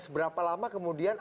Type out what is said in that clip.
seberapa lama kemudian